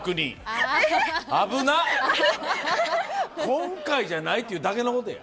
今回じゃないっていうだけのことや。